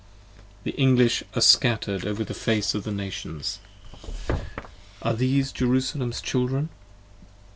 The English are scatter'd over the face of the Nations: are these 49 Jerusalem's children?